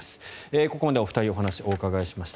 ここまでお二人にお話をお伺いしました。